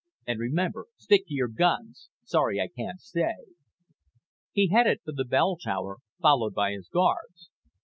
And remember, stick to your guns. Sorry I can't stay." He headed for the bell tower, followed by his guards.